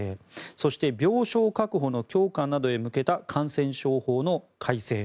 そして、病床確保の強化などへ向けた感染症法の改正。